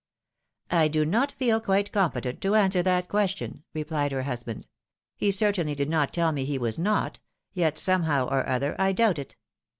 " I do not feel qiiite competentto answer that question," re phed her husband. " He certainly did not teU me he was not, yet somehow or other I doubt it.